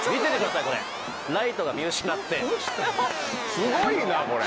すごいなこれ。